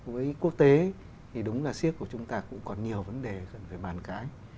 với quốc tế thì đúng là siếc của chúng ta cũng còn nhiều vấn đề cần phải bàn cái